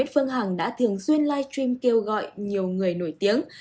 phương hằng đã thường xuyên live stream kêu gọi nhiều người nổi tiếng